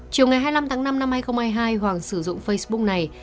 chiều ngày hai mươi năm tháng năm năm hai nghìn hai mươi hai hoàng sử dụng facebook này